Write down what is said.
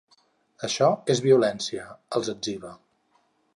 Això és violència, els etziba.